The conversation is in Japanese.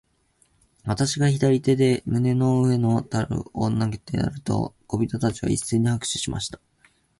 私が左手で胸の上の樽を投げてやると、小人たちは一せいに拍手しました。